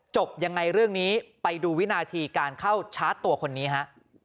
จบยังไงเรื่องนี้ไปดูวินาทีการเข้าชาร์จตัวคนนี้ฮะ